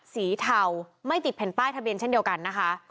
เทาไม่ติดแผ่นป้ายทะเบียนเช่นเดียวกันนะคะ